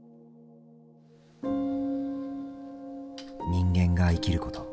人間が生きること